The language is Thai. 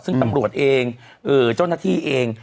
ซึ่งตำรวจเองเจ้าหน้าที่เอง